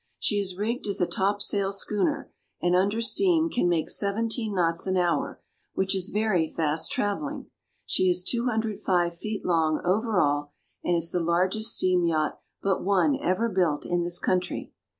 She is rigged as a top sail schooner, and under steam can make seventeen knots an hour, which is very fast travelling. She is 205 feet long over all, and is the largest steam yacht but one ever built in this country.